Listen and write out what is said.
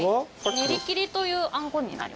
練り切りというあんこになります。